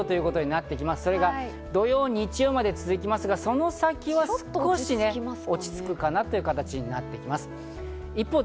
それが土曜、日曜まで続きますが、その先は少しね、落ち着くかなという形になっています。